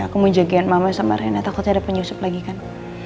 aku mau jagain mama sama rena takut ada penyusup lagi kan